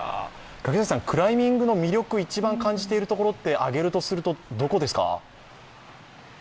クライミングの魅力、一番感じているところをあげるとすると、どこですか？